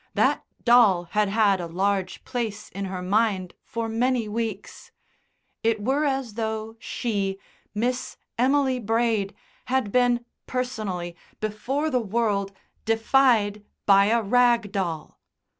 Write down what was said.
That doll had had a large place in her mind for many weeks. It were as though she, Miss Emily Braid, had been personally, before the world, defied by a rag doll.